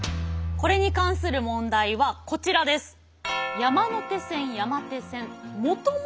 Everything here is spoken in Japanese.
これに関する問題はこちらです。